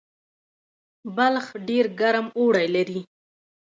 بلخ ډیر ګرم اوړی لري